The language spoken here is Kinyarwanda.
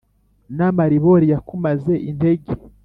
n’amaribori yakumaze intege !